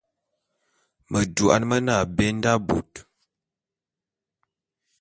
Medouan mene abé nda bot.